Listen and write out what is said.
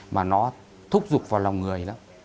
mà nó thúc giục vào lòng người lắm